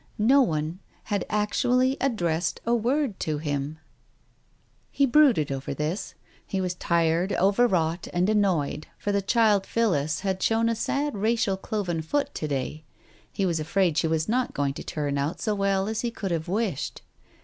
No one had actually addressed a word to him !... He brooded over this — he was tired, overwrought and annoyed, for the child Phillis had shown a sad racial cloven foot to day. He was afraid she was not going to turn out so well as he could have wished.